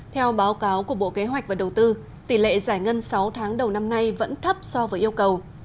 theo báo cáo của bộ kế hoạch và đầu tư tỷ lệ giải ngân sáu tháng đầu năm nay vẫn thấp so với yêu cầu